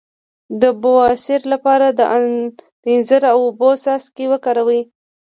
د بواسیر لپاره د انځر او اوبو څاڅکي وکاروئ